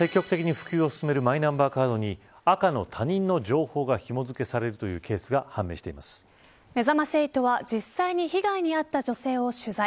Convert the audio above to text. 国が積極的に普及を進めるマイナンバーカードに赤の他人の情報がひも付けされるめざまし８は、実際に被害に遭った女性を取材。